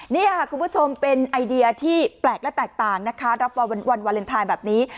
นี่ค่ะคุณผู้ชมเป็นไอเดียที่แปลกและแตกต่างนะคะรับวันวาเลนไทยแบบนี้